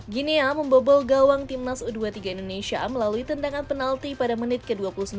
ginia membobol gawang timnas u dua puluh tiga indonesia melalui tendangan penalti pada menit ke dua puluh sembilan